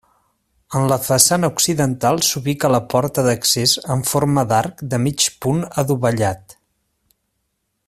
En la façana occidental s'ubica la porta d'accés en forma d'arc de mig punt adovellat.